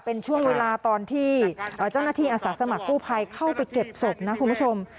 เป็นช่วงเวลาตอนที่เจ้าหน้าที่อาสาสมัครกู้ภัยเข้าไปเก็บศพนะคุณผู้ชม